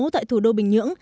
tại thủ đô bình nhưỡng